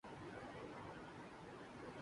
پنے پیٹ پر پنسل مارنا